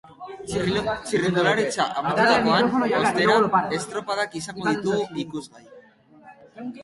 Txirrindularitza amaitutakoan, ostera, estropadak izango ditugu ikusgai.